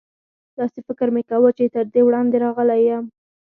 داسې فکر مې کاوه چې تر دې وړاندې راغلی یم.